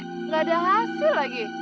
tidak ada hasil lagi